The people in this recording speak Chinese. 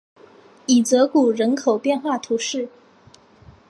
伊泽谷人口变化图示